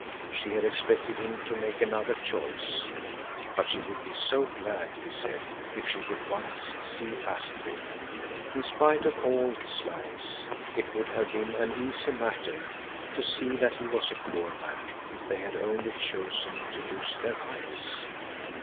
She had expected him to make another choice, but she would be so glad, he said, if she would once see Astrid.—In spite of all his lies, it would have been an easy matter to see that he was a poor man, if they had only chosen to use their eyes.